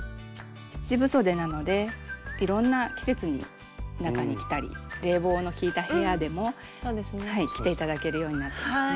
七分そでなのでいろんな季節に中に着たり冷房の効いた部屋でも着て頂けるようになってますね。